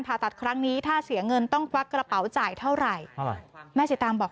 ผ่าตัดครั้งนี้ถ้าเสียเงินต้องควักกระเป๋าจ่ายเท่าไหร่แม่สีตางบอก